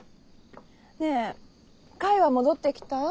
ねえ櫂は戻ってきた？